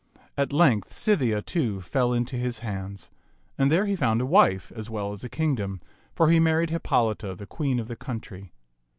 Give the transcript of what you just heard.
At length Scythia, too, fell into his hands ; and there he found a wife as well as a kingdom, for he married Hippolita, the queen of the country.